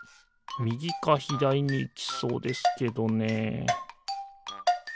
みぎかひだりにいきそうですけどね